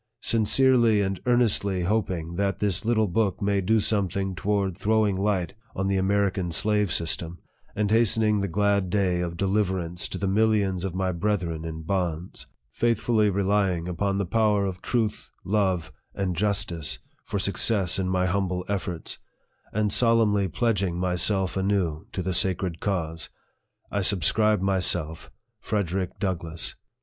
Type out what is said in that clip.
Sincerely and earnestly hoping that this little book may do something toward throwing light on the American slave system, and hastening the glad day of deliverance to the millions of my brethren in bonds faithfully re lying upon the power of truth, love, and justice, for suc cess in my humble efforts and solemnly pledging my self anew to the sacred cause, I subscribe myself, FREDERICK DOUGLASS.